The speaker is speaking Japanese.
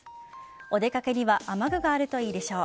お出かけには雨具があるといいでしょう。